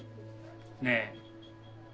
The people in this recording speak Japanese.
ねえ。